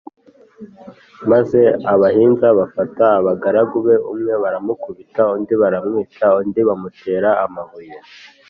maze abahinzi bafata abagaragu be, umwe baramukubita undi baramwica, undi bamutera amabuye